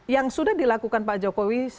yang sudah dilakukan pak jokowi